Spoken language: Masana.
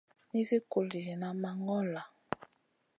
Nizi kul diyna ma ŋola.